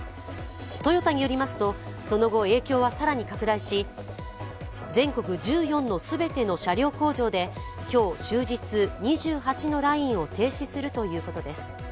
トヨタによりますと、その後、影響は更に拡大し全国１４の全ての車両工場で今日終日２８のラインを停止するということです。